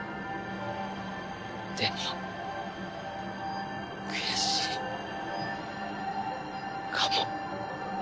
でも悔しいかも。